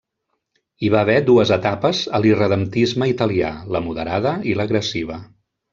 Hi va haver dues etapes a l'irredemptisme italià: la moderada i l'agressiva.